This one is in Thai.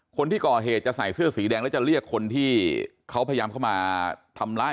คนที่ก่อเหตุจะใส่เสื้อสีแดงแล้วจะเรียกคนที่เขาพยายามเข้ามาทำร้าย